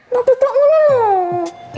mbak butuh kamu loh